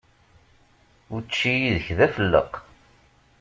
Učči yid-k d afelleq.